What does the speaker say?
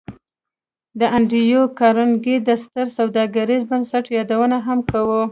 د انډریو کارنګي د ستر سوداګریز بنسټ یادونه هم کوو